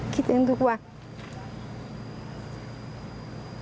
คิดเองทุกวัน